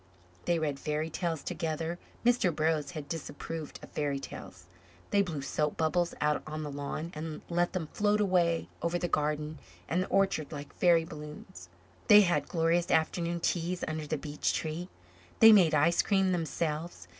They read fairy tales together. Mr. Burroughs had disapproved of fairy tales. They blew soap bubbles out on the lawn and let them float away over the garden and the orchard like fairy balloons. They had glorious afternoon teas under the beech tree. They made ice cream themselves.